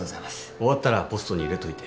終わったらポストに入れといて。